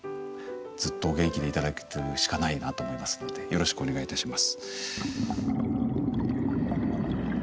ずっとお元気でいて頂くしかないなと思いますのでよろしくお願いいたします。